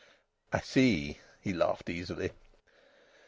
"I see," he laughed easily.